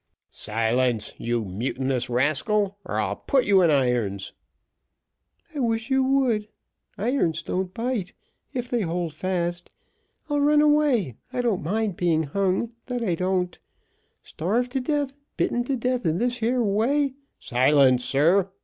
"Silence, you mutinous rascal, or I'll put you in irons." "I wish you would irons don't bite, if they hold fast. I'll run away I don't mind being hung that I don't starved to death, bitten to death in this here way " "Silence, sir.